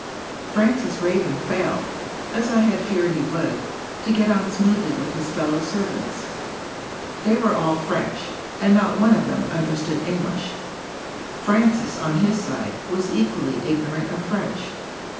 Francis Raven failed (as I had feared he would) to get on smoothly with his fellow serv ants. They were all French ; and not one of them under stood English. Francis, on his side, was equally ignorant of French.